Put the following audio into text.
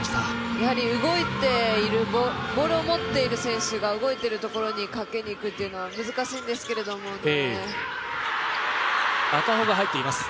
やはりボールを持っている選手のところにかけにいくというのは難しいんですけれどもね。